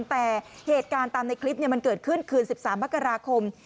แต่เหตุการณ์ตามในคลิปมันเกิดขึ้นคืน๑๓มกราคม